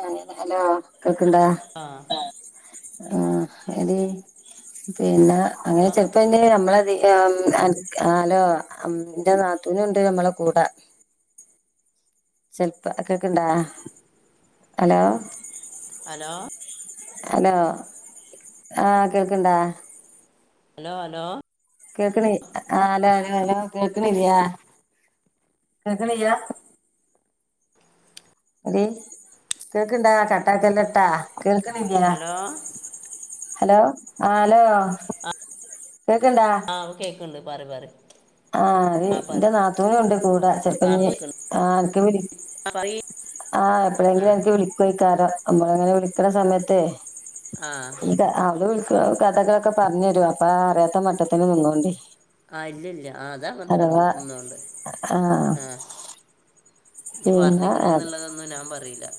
ആ ഹലോ കേക്കണ്ടാ ആഹ് ആഹ് എടീ പിന്നെ ആ ഹലോ ചെറുക്കൻ എ നമ്മളതീ എം അത് അലോ എന്റെ നാത്തൂനുണ്ട് അമ്മളെ കൂടെ ചെൽപ്പക്കക്കെണ്ടാ ഹലോ ഹലോ ഹലോ ആ കേൾക്ക്ണ്ടാ? ഹലോ ഹലോ കേൾക്കണി ആ അലോ അലോ അലോ കേക്കണില്ലാ കേക്ക്ണില്ലാ അതേയ് കേൾക്കണ്ടാ കട്ടാക്കല്ലട്ടാ കേൾക്കണില്ലാ ഹലോ ഹലോ ആ ഹലോ കേക്ക്ണ്ടാ. അ കേക്ക്ണ്ട് പറി പറി. ആഹ് അഹ് ന്റെ നാത്തൂനുണ്ട് കൂടെ ആ ഇപ്പൊ ചെൽപ്പഞ്ഞി കേൾക്കുന്നുണ്ട് ആ അൻക്ക് വിളി പറയ്. ആഹ് ആ എപ്പളെങ്കിലു അൻക്ക് വിളിക്ക്വയ്ക്കാരം നമ്മള്ങ്ങനെ വിളിക്കണ സമയത്തെ. ആഹ്. ത അത് വിൾക്കു കഥകളൊക്കെ പർഞ്ഞരു അപ്പൊ അറിയാത്ത മട്ടത്തിന് നിന്നോണ്ടി. ആഹ് ഇല്ലല്ല ആഹ് അതങ്ങൻത്തന്നെ നിന്നൊ അഥവാ നിന്നൊണ്ട് ആഹ്. ഇജ് പിന്നെ പർഞ്ഞിക്ണ്ന്ന്ള്ളതൊന്നും ഞാൻ പറയിലാ.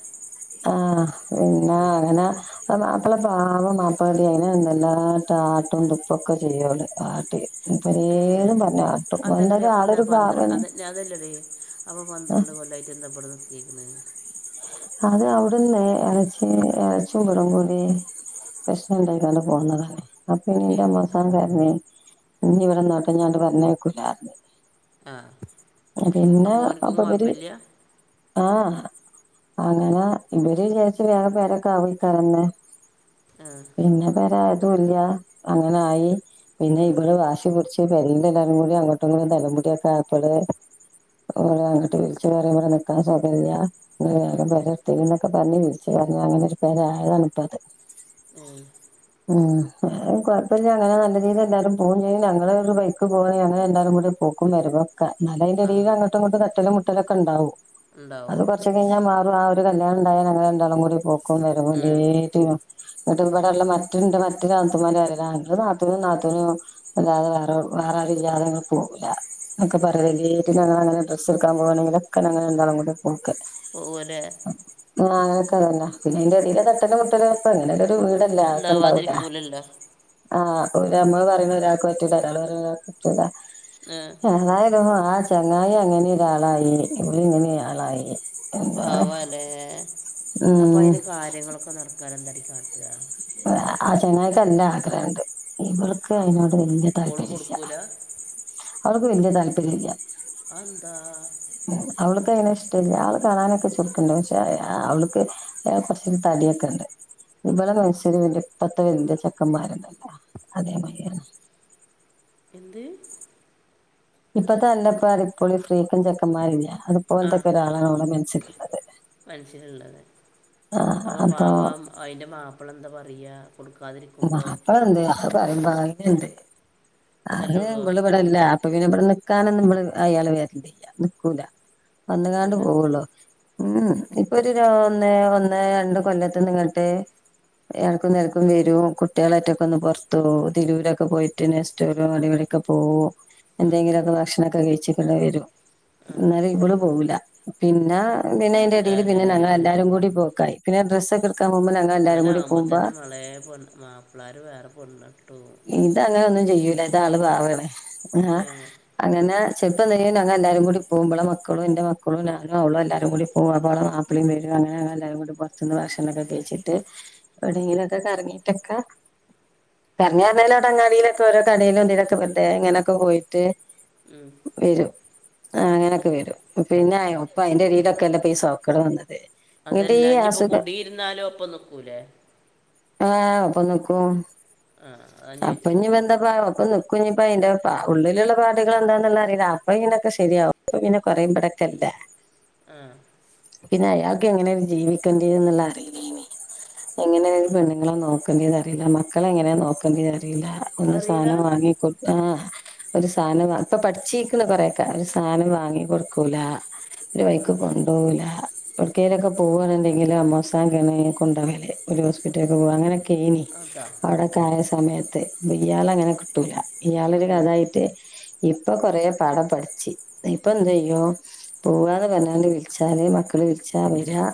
ആഹ് പിന്നാ അങ്ങന. ആ മാപ്പ്ള പാവം മാപ്പ്ളടീ അയിനെ എല്ലാട്ട് ആട്ടും തുപ്പൊക്കെ ചെയ്യോള് ആട്ടി. ഏ പലേതും പർഞ്ഞാട്ടും അതല്ലടേ എന്തലും അപ്പം ആളൊരു പാവണ്. അപ്പ പന്ത്രണ്ട് കൊല്ലായ്ട്ട് എന്ത ബടെ നിർത്തിക്ക്ണ്. അത് അവ്ടന്നേ എളച്ചി എളച്ചിം ബളും കൂടി. പ്രശ്നണ്ടയിക്കാണ്ട് പോന്നതാണെ. ഏ അപ്പഞ്ഞിന്റമ്മോസാകർഞ് ഇഞ്ഞിവിടെന്നോട്ടെ ഇഞ്ഞട്ട് പർഞ്ഞയ്ക്കൂലാർഞ്ഞ്. അ പിന്ന അപ്പോൾ ഓനക്കും അപ്പവര് കുഴപ്പമില്ല ആഹ്. അങ്ങനെ ഇവര് വിജാര്ച്ച് വേഗം പെരൊക്കാവുയ്ക്കാരന്ന്. ആഹ്. പിന്നെ പെരായതൂല്ല അങ്ങനായി പിന്നെ ഇവള് വാശി പുട്ച്ച്. എ പെരീല് എല്ലാരുംകൂടി അങ്ങോട്ടുങ്ങോട്ടും തല്ലും പുടിയൊക്കെ ആയപ്പള്. ഓല് അങ്ങട്ട് വിൾച്ചു പറയ വടെ നിക്കാൻ സ്ഥലല്ല. ഇപ്പം പെരെട്ത്തിന്നൊക്കെ പർഞ്ഞ് വിൾച്ചതാണ് അങ്ങനെരു പെര ആയതാണ്പ്പത്. ഏ ഉം എങ്ങനായാലും കൊയപ്പല്ല അങ്ങനെ നല്ല രീതി എല്ലാരും പോവും ചെയ്യും ഞങ്ങളൊരു വയ്ക്ക് പോവാണെങ്കി ഞങ്ങള് രണ്ടാളും കൂടി. പോക്കും വരവൊക്കെ ഇന്നാലയിന്റെടീലങ്ങട്ടു ഇങ്ങട്ടു തട്ടലും മുട്ടലൊക്കെണ്ടാവും ഉണ്ടാവും അത് മ ച്ചെ കയ്ഞ്ഞാ മാറും ആ ഒരു കല്യാണണ്ടായാ ഞങ്ങള് രണ്ടാളും കൂടി പോക്കും വരവും ആ രേ ട്ടീനു ന്നട്ട് ഇവടള്ള മറ്റ രണ്ട് മറ്റൊരാത്തൂന്മാരറ്യലാ ആന്റെ നാത്തൂനും നാത്തൂനും. അല്ലാതെ വേറെ വേറാരുല്ലാതെ ഞങ്ങള് പോവൂല എന്നക്കെ പറയലില്ലെറ്റ് ഞങ്ങളങ്ങനെ ഡ്രസ്സ്ട്ക്കാൻ പോവാണെങ്കിലും. ക്കാ ഞങ്ങള് രണ്ടാളും കൂട്യ പോക്ക്. പോവ്വലെ. ആഹ് ആക്കൊതന്നെ പിന്നെ അയിന്റെടിലെ തട്ടലും മുട്ടലും അപ്പൊ എങ്ങനൊരു വീടല്ല ക്കണ്ടാവുലാ. ഉണ്ടാവാതിരിക്കൂലല്ലോ ആഹ് ഒല് ഞമ്മള് പറിണ ഒരാക്ക് പറ്റൂല ഒരാള് പറിണൊരാക്ക് പറ്റൂല ആ ഏതായാ ലും ആ ചങ്ങായി അങ്ങനി ഒരാളായി ഇതിങ്ങനി ആളായി. അത് പാവാല്ലേ അപ്പൊ ഉം അയ്ന്റെ കാര്യങ്ങളൊക്കെ നടക്കാനെന്താടീ കാട്ടാ. ആ ചെങ്ങായിക്ക് നല്ല ആഗ്രഹണ്ട്. ഇവൾക്ക് ആ അയ്നോട് വല്ല്യ ഓള് താല്പര്യല്ല കൊടുക്കൂല അവൾക്ക് വല്ല്യ താല്പര്യല്ലാ. അ എന്താ. അവൾക്കയിനെ ഇഷ്ടല്യ ആള് കാണാനൊക്കെ ചൊർക്ക്ണ്ട് പക്ഷെ അവള്ക്ക്. അയാള് കൊർച്ചൂടി തടിയൊക്കെണ്ട് ഇബളെ മനസ്സില് വന്റെ ഇപ്പത്തെ വല്ല്യ ചെക്കന്മാരല്ലെ. അതെ മാര്യാണ്. എന്ത്. ഇപ്പത്തെ നല്ലപ്പാ അടിപ്പൊളി ഫ്രീക്കൻ ചെക്കന്മാരില്ലേ അത്. ആ പോല്ത്തൊക്കെ ഒരാളാണ് ഓളെ മനസിലിള്ളത് മനസ്സിലുള്ളത് ആഹ് അപ്പോ. അയിൻ്റെ മാപ്പള എന്താ പറയാ. കൊടുക്കാതിരി വാപ്പണ്ട് അത് പറയുമ്പങ്ങനുണ്ട് അത് തല്ലിവിടുവോ വിളപടല്ല അപ്പൊ പിന്നെ ഇബടെ നിക്കാനൊന്നും നമ്മള് അയാള് വെര്ലില്ല നിക്കൂല വന്നുകാണ്ട് നോക്കൂല പോവുള്ളു ഉം ഇപ്പൊ ഒരു ഒന്ന് ഒന്ന് രണ്ട് കൊല്ലത്ത് ന്നിങ്ങട്ട് എടേക്കും തലക്കും വേ കുട്ട്യാളായിട്ടൊക്കെ ഒന്ന് പൊർത്തു പോവും തിരൂരൊക്കെ പോയിട്ട് നെസ്റ്റോലും അവടിം ഇവടക്കെ പോകോ ആ എന്തെങ്കിലുമൊക്കെ ഭക്ഷണൊക്കെ കഴിച്ചിട്ട് ഇങ്ങ് വരും ആ എന്നാലും ഇവിള് പോകില്ല പിന്നെ പിന്നെതിന്റെ അയിന്റ് എന്താല്ലേ ഞങ്ങൾ എല്ലാരും കൂ പോക്കായി പിന്നെ ഡ്രസ്ക്കെടുക്കാൻ മുമ്പ് ഞൾ ഇങ്ങനെ ആകുമ്പോ തന്നെ മാളേ പെ മാപ്ലാര് വേറെ പെണ്ണെട്ടു ഇതങ്ങനെ ഒന്നും ചെയ്യൂല ഇന്റെ ആള് പാവാണ് ഏ അങ്ങനെ ചെപ്പംന്ന്ഴഞ്ഞ അ എല്ലാരും കൂടി പോകുമ്പള മക്കളും എന്റെ മക്കളും ഞാനോ അവളോ എല്ലാരും കൂടി പോവാൻ അത്രെയും പെരും അങ്ങനെ എല്ലരും കൂടി പുറത്തുന്ന് ഭക്ഷണക്കെ കഴിച്ചിട്ട് എവിടേങ്കിലൊക്കെ കറങ്ങീട്ടൊക്കെ പറഞ്ഞരുന്നേലോ അങ്ങാടീലൊക്കെ ഓരോ കടീലും ഇതിലൊക്കെ വെർതെ ഇങ്ങനൊക്കെ പോയിട്ട് ഉം, വരും ആഹ് അങ്ങനൊക്കെ ഉം, വരും പിന്നെ ഏ. ആഹ് ഒപ്പ അയിന്റെ എടീലൊക്കെ അല്ലെ ഇപ്പൊ സൊ ക്കടെ വന്നത് ഇങ്ങട്ട് അതല്ല ഈ അഞ്ഞ് ഇപ്പോ അസുഖ കുടിയിരുന്നാലും ഒപ്പം നിക്കൂലേ ആഹ് ഒപ്പം നക്കൂ ആ അതാണ് അപ്പഞ്ഞ് ചോദിച്ചത് ഇവെന്തപ്പ ഒപ്പം നി കുഞ്ഞിപ്പ അതിന്റെ ഉള്ളിലുള്ള പാടുകൾ എന്താന്നുള്ള അറിയില്ല അപ്പൊ ഇങ്ങനൊക്കെ ശരിയാവും പിനെ കൊറുമ്പോടൊക്കെല്ലേ ആഹ് പിന്നെ അയാൾക്ക് എങ്ങനെയ ഒരു ജീവിക്കേണ്ടി എന്നുള്ള അറിയില്ലനി എങ്ങനെ പെണ്ണുങ്ങളെ നോക്കേണ്ടിത് അറിയില്ല മക്കള എങ്ങനെയെ നോക്കേണ്ടിത് അറിയില്ല ഒന്ന് അറിയില്ല സാധനം വാങ്ങികോ ആഹ ഒരു സാധനം ഇപ്പൊ പടിച്ചിരിക്കുന്ന കൊറെയൊക്കെ ഒരു സാധനം വാങ്ങി കൊടുക്കൂല ഒരു ആ വൈക്ക് കൊണ്ടു പോവൂല കക്കേയിലൊക്കെ പോകവാണ്ടെങ്കിൽ അ മോസം കൊണ്ടകല്ലേ ഒരു ഹോസ്പിറ്റലേക്ക് പോവാ അങ്ങനൊക്കെ കേനി അതാ അവിടെക്കായ സമയത്ത് ബയ്യാത്തെ ട്ടൂല ഇയാളരു കഥായിട്ട് ഇപ്പൊ കൊറേ പാഠം പഠിച്ച് ഇപ്പൊ എന്തെയ്യൂ പോവാതെപറഞ്ഞാൽ വഞ്ഞാല് വിളിച്ചാല് മക്കള് വിളിച്ചാ വരാ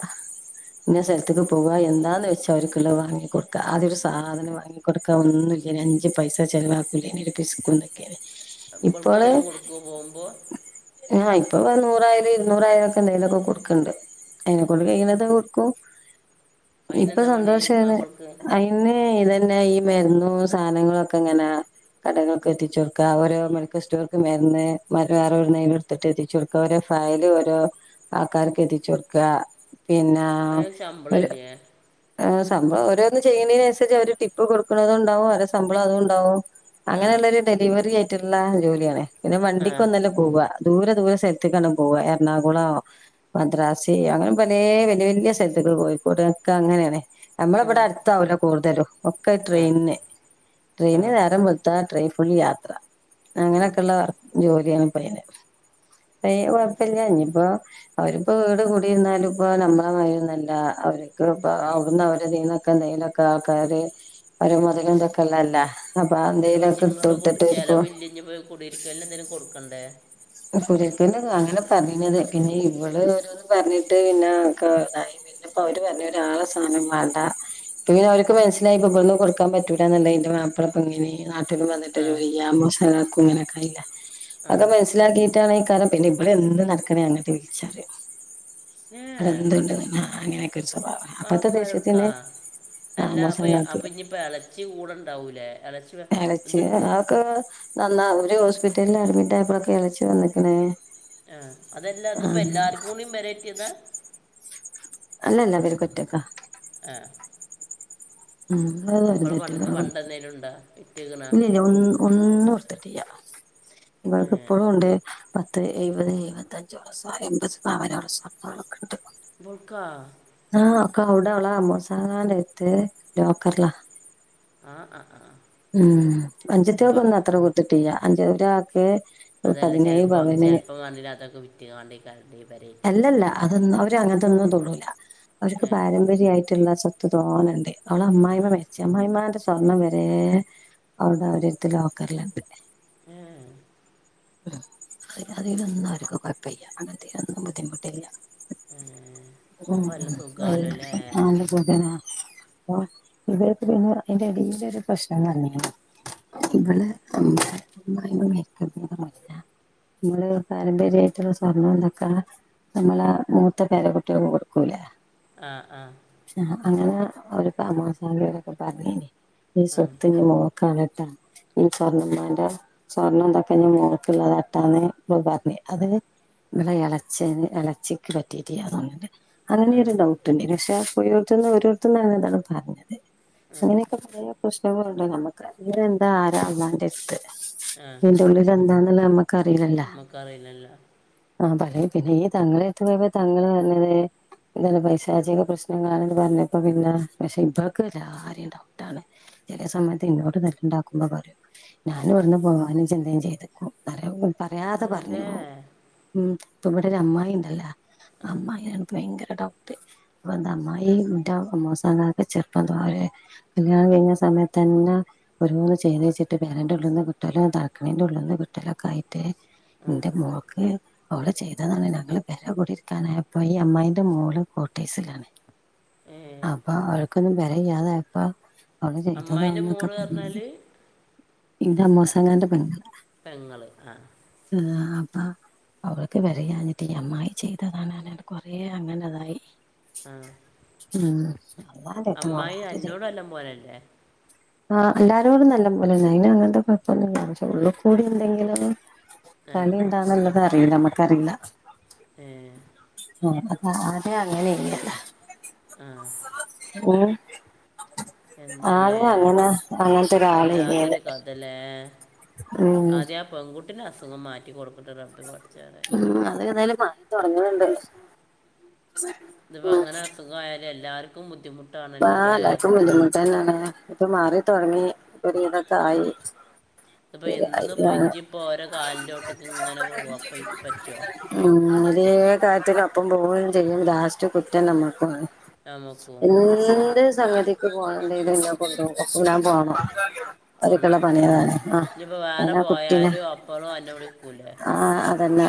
പിന്നെ സ്ഥലത്തക്ക് പോകുക എന്താന്ന് വെച്ച അവർക്കല്ലാം വാങ്ങി കൊടുക്ക ആദ്യ ഒരു സാധനം വാങ്ങി കൊടുക്ക ഒന്ന ജന അഞ്ച് പൈസ ചെ ആക്കല നരിപ്പസ് കൊണ്ടക്കെ ഇവൾക്കെങ്കിലും കൊടുക്കു പോകുമ്പോൾ ആഹ് ഇപ്പൊ നൂറായിരം ഇരുന്നൂറായിരം ഒക്കെ എന്തേലും കൊടുക്കണ്ട് അയിനെ ആ കൊണ്ട് കഴിയുന്നതാ കൊടുക്കും അതിനെയെന്താ പണി ആ എന്താ അവൾക്ക് അയിന് ഇതന്നെ ഈ മരുന്നും സാധനങ്ങള ഒക്കെ എങ്ങനാ കടകൾക്ക എത്തിച്ച കൊടുക്കുക ഓരോ മെഡിക്കൽ സ്റ്റോർക്ക് മരുന്ന വേറെോരു നെയില എടുത്തിട്ട് എത്തിച്ച കൊടുക്കുക ഓരോ ഫയല് ഓരോ ആൾക്കാർക്ക്എത്തിച്ച് കൊടുക്കുക പിന്നെ ആഹ് അതിന് ഒരു ശമ്പളമില്ലേ ഏഹ് സംബോ ഓരോന്ന് ചെയ്യുന്നതിനനുസരിച്ച് അവര് ടിപ്പ് കൊടുക്കുന്നതുംണ്ടാവും അവരെ ശമ്പളം അതും ഉണ്ടാവും ആ അങ്ങനെുള്ളല്ല ഡെലിവറി ആയിട്ടുള്ള ജോലിയണേ പിന്നെ ആ വണ്ടിക്ക് ഒന്നുല്ല പോവ ദൂരെ ദൂര സ്ഥലത്തേക്കാണ് പോവുക എറണാകുളമാോ മദ്രസ് അങ്ങനെ പലേ വലിയ വലിയ സ്ഥലത്തുകൾ പോയിക്കടക്ക അങ്ങനെയാണ് നമ്മള ആ ഇവിടെ അടുത്താ ഒര് കൂടുതലും ഒക്കെ ആ ട്രെയിനിന് ആ ട്രെയിന് നെരം വേൾത്ത ട്രെയിൻ ഫുൾ യാത്ര ആ അങ്ങനെയൊക്കെള്ള ജോലിയാണ് പയ്യന് ഏ ആ ശരി കൊഴപ്പില്ല ഇനിപ്പൊ അവരിപ്പൊ വീട് കൂടിന്നാലും ഇപ്പൊ നമ്മുടെ വരുന്നല്ല അവർക്ക് ഇപ്പ അവിടുന്ന നിന്നൊക്കെ എന്തേയിലൊക്കെ ആൾക്കാര് അവര മുതല എന്തൊക്കെല്ല ഇ നിങ്ങള്ൾ ചെലവ് പോയി കുടിരിക്കല്ല എന്തേലും കൊടുക്കണ്ടേ കുരക്കെന്റെ അങ്ങനെ പറഞ്ഞിത് പിന്നെ ഇവള് ഓരോന്ന് പറഞ്ഞിട്ട് പിന്നെക്കാ ഇതായി പിന്നപ്പൊ അവര് പറഞ്ഞ് ഒരാ ളെ സാധനം വേണ്ട ഇ പിന്നെ അവർക്ക് മനസ്സിലായി ഇവിടന്ന് കൊടുക്കാൻ പറ്റൂലാന്നണ്ട അതിന്റെ മാം ഇപ്പ ഇങ്ങനെ നാട്ടിലിൽ വന്നിട്ട് ആ ജോലിക്കും ഇങ്ങനൊക്കെ ആയില്ലെ ആ അത് മനസ്സിലാക്കിയിട്ടാണ് ഈ കാരം പിന്നെ ഇവിടെ എന്ത് നടക്കണേ എന്ന് ചോയ്ച്ചറിയും ഏ അവിടെ എന്തണ്ട് ആ അങ്ങനെയൊക്കെ ഒരു സ്വഭാവാ മാപ്പിള ആരടുക്കാ അല്ലാ അപ്പൊ ആമോസങ്ങൾക്ക് അപ്പൊ ഇനിപ്പൊ എളച്ചി കൂടെ ഉണ്ടാവൂലേ എളച്ചി എളച്ചി അതൊക്കെ നന്ന അവര് ഹോസ്പിറ്റലിൽ അഡ്മിറ്റ് ആയപ്പോഴൊക്കെ എളച്ചി വന്നക്കണേ ആ അതല്ല അതിപ്പൊ എല്ലാർക്കും കൂടി പെരത്തിയതാ അല്ലല്ല അവരൊക്കെ ഒറ്റക്കാ ആഹ് ഉം അഹ് നമ്മള് പണ്ട് പണ്ട്ന്തേലും ഒണ്ടാ ഇല്ല ഇല്ല ഒ ഒന്നുടെത്തുട്ടില്ല്യാ ഏ ഇപ്പക്ക ഇപ്പോഴും ഉണ്ട് പത്ത് എഴപത് എഴപത്തഞ്ചോ എൺപത് താമസൊക്കെ ഉണ്ട് ബുർക്ക ആഹ ഒക്ക അവിടെ അവള അമോസൻ എട്ട ലോക്കറില ആഹ ആഹ് ആഹ് ഉം അനുജത്തിയോൾക്കൊന്നും അത്ര കൊടുത്തിട്ടില്ല അഞ്ചഒരാൾക്ക് അതല്ല ചെലപ്പം ചെലപ്പം കണ്ട അതൊക്കെ വിറ്റ കാണ്ട് കൊണ്ടോയികളയും അല്ലല്ല അതൊന്നും അവര് അങ്ങനത്തൊന്നും തൊടൂല അവർക്ക് ഏ പാര മ്പര്യായിട്ടുള്ള സ്വത്ത് തോനേണ്ട് ആ അവളമ്മായിമ്മ മരിച്ച് അമ്മായിയമ്മന്റെ സ്വർണം വരെ അവൾടെവിടെത്തെ ലോക്കറിലുണ്ട് ഉ ഉ അ അതിലൊന്നും അവർക്ക് കൊഴപ്പില്ല അങ്ങനതിലൊന്നും ബുദ്ധിമുട്ടില്ല ഏ അത ആ അപ്പോൾ നല്ല സുഖമല്ലോ അല്ലേ [unintelligible] ആണ് ന ഇവടിപ്പൊ പിന്നെ എന്റെടീലൊരു പ്രശ്നം എന്ന് പറഞ്ഞാണ് ആ ഇവളെ അമ്മാ യിമ്മ മരിക്കണ നമ്മള് പാരമ്പര്യമായിട്ടുള്ള സ്വർണ്ണം ഇതൊക്കാ നമ്മള മൂത്ത പേരകുട്ടികൾക്ക് കൊടുക്കൂലേ ആഹ് ആഹ് ആ അങ്ങനെ ഒരു തമാസരൊക്കെ പറഞ്ഞേന് ഈ ആ സ്വത്തിന് മോ കണാട്ട സ്വർണ്ണമാന്റെ സ്വർണം എന്തൊക്കെ നി മോൾക്കള്ളത്ട്ടാന്ന് പറഞ്ഞ് അത് അങ്ങനെ എള ഇലച്ചിക്ക് പറ്റിയിട്ടില്ലാന്നു പറഞ്ഞ് അങ്ങനെ ആ ഒരു ഡൗ ട്ടുണ്ട് പക്ഷയോർത്തന്ന് രോരുത്തന്നാണ് അത് പറഞ്ഞത് ആ അങ്ങനെ പഴയ പ്രശ്നങ്ങളുണ്ട് നമ്മുക്ക് അ എന്താ ആരാ അള്ളാന്റെ അടുത്ത് ആഹ് അതിന്റുള്ളിൽ എന്താണെന്ന് നമ്മക്കറിയിലല്ല നമുക്കറിയില്ലല്ലോ ആ പറ പിന്നെ ഈ തങ്ങളെടുത്ത് പോയപ്പൊ തങ്ങൾ പറഞ്ഞത് എന്താണ് പൈശാചിക പ്രശ്നങ്ങളണെന്ന് പറഞ്ഞപ്പ പിന്നെ പക്ഷെ ഇപ്പോഴക്ക എല്ലാരെയും ഡൗട്ടാണ് ചില സമയത്ത് ഇങ്ങോട്ട് നല്ലുണ്ടാക്കുമ്പോ പറയോ ആ ഞാനും എവിന്ന് പോവാനും ചിന്തയും ചെയ്തക്കും അതെല്ലേ ഉം ഇപ്പ ഇവിടെ ഒരു അമ്മായി ഉണ്ടല്ലോ ആ അമ്മായിയാണ് ഇപ്പ ഭയങ്കര ഡൗട്ട് അപ്പ എന്താമ്മ ഈ ഇറ്റ മോസങ്ങളൊക്കെ ചെറുപ്പന്തെ കല്യാണം കഴിഞ്ഞ സമയത്ത് തന്നെ ഒരോന്ന് ചെയ്ത് വെച്ചിട്ട് [unintelligible] കുട്ടലും തണക്കണിൻ്റെ ഉള്ളിന്ന് കുട്ടലൊക്കെ ആയിട്ട് ആ എന്റെ മോൾക്ക് അവിടെ ചെയ്തു എന്തെന്നാണ് ഞങ്ങളവരെ കൂടിരിക്കാനായപ്പോ ഈ അമ്മായിന്റെ മോള് കോട്ടേസിലാണ് ഏഹ് അപ്പൊ അവൾക്കൊന്നും [unintelligible] അവള് അമ്മായിൻ്റെ ചെയ്തതാന്നൊക്കെ മോള് പറഞ്ഞാൽ [unintelligible] ഇന്റെ അമ്മോസങ്ങാന്റെ പെങ്ങള പെങ്ങള് ആ ഏഹ് അപ്പ അവരൊക്കെ ഇത് വരെ പറഞ്ഞിട്ട് അമ്മായി ചെയ്തതാണ് കൊറെ അങ്ങനെതായി ആഹ് ഉം അല്ലാതെ എത്ത അമ്മായി വളരെ അന്നോട് നല്ലാം പോലല്ലേ ആഹ് എല്ലാരോടും നല്ല പോലെന്ന അയ് അങ്ങനത്തെ കുഴപ്പൊന്നുമില്ല പക്ഷെ ഉള്ളിൽ കൂടി എന്തെങ്കിലും ആ കണി എന്താണുള്ളത് അറിയില്ല നമ്മക്കറിയില്ല ഏഹ് ആഹ് അത അതെ അങ്ങനെ ചെയ്യ ആഹ് ഉം എന്താലേ ആദ്യം അങ്ങനെ അങ്ങനത്തെ ഒരാള് ഇനിയത് അതല്ലേ ആദ്യം ആഹ് പെൺകുട്ടിന്റെ അസുഖം മാറ്റി കൊടുക്കട്ട് റബ്ബെ പടച്ചോനെ ഉം അത് എന്തായാലും മാറി തുടങ്ങണ്ണ്ട് ഇതിപ്പ അങ്ങനെ അസുഖയാലും എല്ലാർക്കും ബുദ്ധിമുട്ട ആഹ് എല്ലർക്കും ബുദ്ധിമുട്ട് തന്നെയാണ് ഇപ്പൊ മാറിത്തൊടങ്ങിപ്പൊ ഇതൊക്കെ ആയി ഇപ്പൊ ഇ ഇപ്പോ ശരിയായി ഇചിപ്പോ ഓരോ കാലിന്റെ [unintelligible] ഇങ്ങനെ പോവാ പറ്റുവോ ഉം അതേ കാര്യത്തി അപ്പം പോവയും ചെയ്യും ലാസ്റ്റ് കുറ്റം നമ്മുക്കും നമക്കും എന്ത് സംഗതിക്ക് പോന്തത് കൊണ്ട ഞാൻ പോണം ഒരു പോണം [unintelligible] ഇനിയിപ്പോൾ ആഹ് വേറെ നാ കുട്ടീന പോയാലും അപ്പോഴും എന്നെ വിളിക്കൂലേ ആഹ് അതന്നെ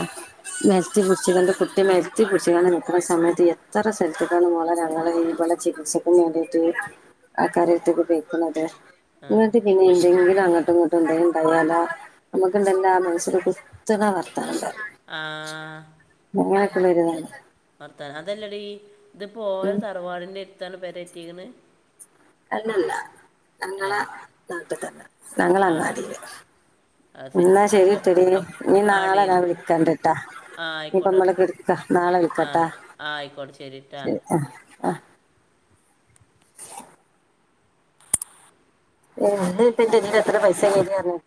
മെൽത്തി കുടിച്ച കൊണ്ട് കുട്ടി മെൽത്തി കുടിച്ചു കണ്ട് നിൽക്കുന്ന സമയത്ത് എത്ര സ്ഥലത്തക്കാണ് മോളെ ഞങ്ങള് ചികിത്സക്കും വേണ്ടിയിട്ട് ആക്കാര്ടുത്തക്കെ വക്കുന്നത് ആ ഇങ്ങളത് പിന്നെ എന്തെങ്കിലും അങ്ങോട്ടും ഇങ്ങോട്ടും ഉണ്ടെങ്കും ഉണ്ടായാല നമുക്കുണ്ടല്ല മനസ്സരു കുത്തന പറഞ്ഞ ആ [unintelligible] വരുന്നത് വർത്താനം അതല്ലടീ ഇത്പ്പോ ഉം തറവാടിന്റെ എടുത്താണ് പെരറ്റിന്ന് അല്ലല്ല ഏ ഞങ്ങളെ നാട്ടിൽ തന്നെ ഞങ്ങള ആ അങ്ങാടിയില് അത് ശരി എന്നാ അപ്പോൾ ശരിട്ടടി നീ ആ ഡീ നാളെഞാ വിളിക്കാണ്ടിട്ടാ ആ ആയിക്കോട്ടെ ഇനിപ്പമ്മളക്ക നാളെ ആ വിൽക്കട്ടാ ആ ആയിക്കോട്ടെ കേട്ടോ ശരി ആഹ് ആഹ് ഏന്റെ എ എത്ര പൈസ [unintelligible]